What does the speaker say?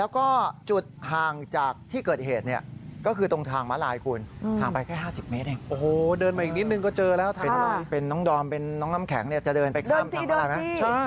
ความเป็นน้องน้ำแข็งจะเดินไปข้ามข้างล่างนะครับ